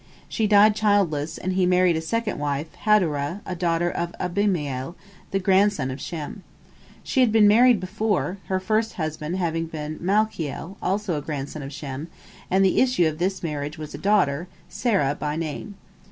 She died childless, and he married a second wife, Hadorah, a daughter of Abimael, the grandson of Shem. She had been married before, her first husband having been Malchiel, also a grandson of Shem, and the issue of this first marriage was a daughter, Serah by name.